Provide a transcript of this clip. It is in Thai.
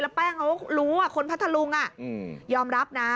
แล้วแป้งก็รู้ว่าคนพัทธรุงยอมรับนะ